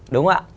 đúng không ạ